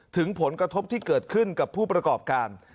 ถึงผลกระทบที่เกิดขึ้นกับผู้ประกอบการ